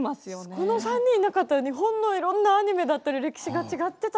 この３人いなかったら日本のいろんなアニメだったり歴史が違ってた。